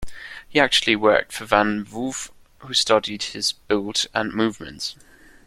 He actually worked for Van Wouw who studied his build and movements.